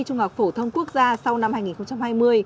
trung học phổ thông quốc gia sau năm hai nghìn hai mươi